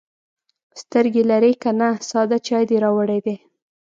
_سترګې لرې که نه، ساده چای دې راوړی دی.